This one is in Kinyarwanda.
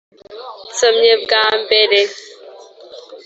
nsomye bwa mbere!